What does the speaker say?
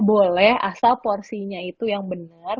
boleh asal porsinya itu yang benar